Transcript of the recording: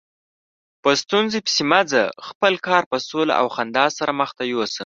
په ستونزو پسې مه ځه، خپل کار په سوله او خندا سره مخته یوسه.